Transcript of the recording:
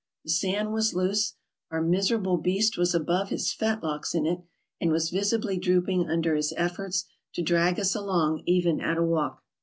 The sand was loose ; our miserable beast was above his fetlocks in it, and was visibly drooping under his efforts to drag us along even at a walk.